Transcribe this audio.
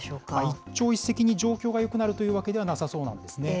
一朝一夕に状況がよくなるということではなさそうなんですね。